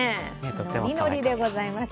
ノリノリでございます。